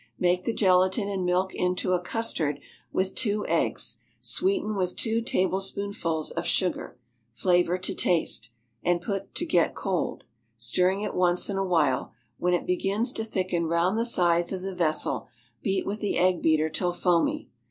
Make the gelatine and milk into a custard with two eggs, sweeten with two tablespoonfuls of sugar, flavor to taste, and put to get cold, stirring it once in a while; when it begins to thicken round the sides of the vessel beat with the egg beater till foamy.